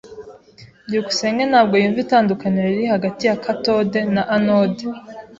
byukusenge ntabwo yumva itandukaniro riri hagati ya cathode na anode.